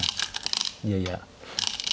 いやいや。